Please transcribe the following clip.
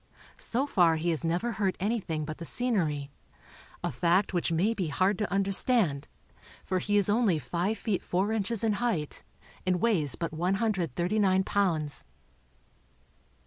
So far he has never hurt anything but the scenery, a fact which may be hard to understand, for he is only five feet four inches in height and weighs but 139 pounds.